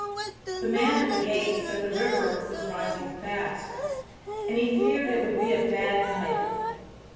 The man at the gate said the river was rising fast, and he feared it would be a bad night.